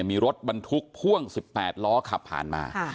มีรถบรรทุกพ่วง๑๘ล้อขับผ่านมา